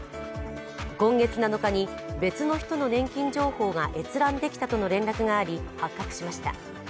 今月７日に、別の人の年金情報が閲覧できたとの連絡があり発覚しました。